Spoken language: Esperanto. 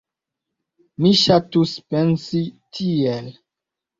Mi ŝatus pensi tiel.